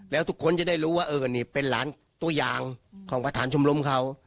แล้วทุกคนจะได้รู้ว่าเออนี่เป็นหลานตัวอย่างของประธานชมรมเขา